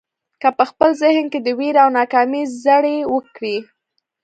که په خپل ذهن کې د وېرې او ناکامۍ زړي وکرئ.